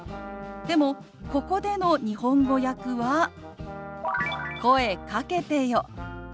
でもここでの日本語訳は「声かけてよ」。